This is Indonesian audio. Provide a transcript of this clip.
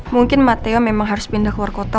mungkin mateo memang harus pindah ke luar kota